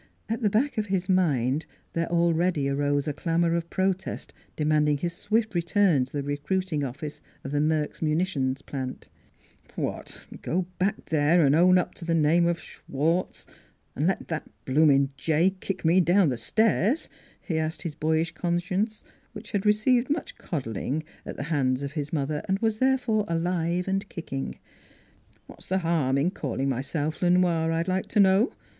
At the back of his mind there already arose a clamor of protest demanding his swift return to the re cruiting office of the Merks Munitions Plant. ' What ! go back there and own up to the name of Schwartz, and let that bloomin' jay kick me down stairs?" he asked his boyish conscience, which had received much coddling at the hands 244 NEIGHBORS of his mother and was therefore alive and kick ing. ..." What's the harm in calling myself Le Noir, I'd like to know?